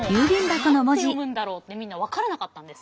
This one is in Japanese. これ何て読むんだろうってみんな分からなかったんです。